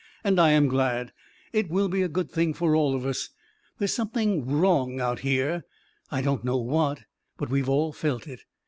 " And I am glad ! It will be a A KING IN BABYLON 353 good thing for all of us. There's something wrong out here — I don't know what — but we've all felt it."